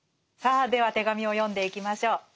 さあでは手紙を読んでいきましょう。